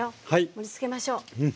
盛りつけましょう。